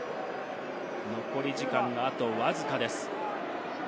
残り時間があとわずかです。